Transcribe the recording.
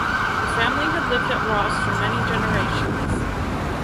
The family had lived at Ross for many generations.